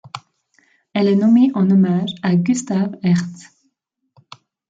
Elle est nommée en hommage à Gustav Hertz.